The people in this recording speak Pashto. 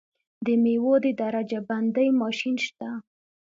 د میوو د درجه بندۍ ماشین شته؟